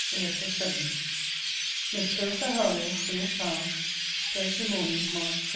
LETTER VII MISS CLARISSA HARLOWE, TO MISS HOWE THURSDAY MORNING, MARCH 23.